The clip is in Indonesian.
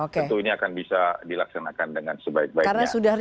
tentunya akan bisa dilaksanakan dengan sebaik baiknya